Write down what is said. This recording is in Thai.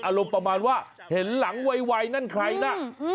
อารมณ์ประมาณว่าเห็นหลังไวนั่นใครนะ